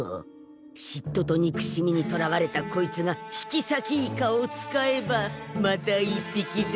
しっととにくしみにとらわれたこいつが引きさきイカを使えばまた一匹銭